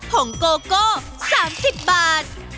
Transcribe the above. ผงโกโก้๓๐บาท